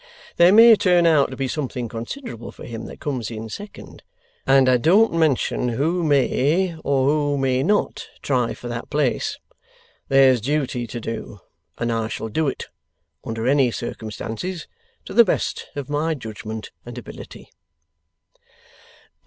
There may turn out to be something considerable for him that comes in second, and I don't mention who may or who may not try for that place. There's duty to do, and I shall do it, under any circumstances; to the best of my judgment and ability.